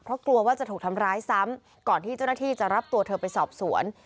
เพราะกลัวว่าจะถูกทำร้ายซ้ำก่อนที่เจ้าหน้าที่จะรับตัวเธอไปสอบสวน